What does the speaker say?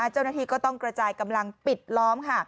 เจ้าหน้าที่ก็ต้องกระจายกำลังปิดล้อม